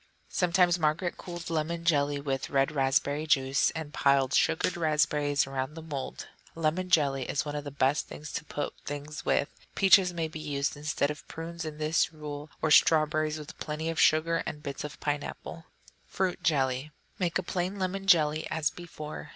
Sometimes Margaret colored lemon jelly with red raspberry juice, and piled sugared raspberries around the mould. Lemon jelly is one of the best things to put things with; peaches may be used instead of prunes, in that rule, or strawberries, with plenty of sugar, or bits of pineapple. Fruit Jelly Make a plain lemon jelly, as before.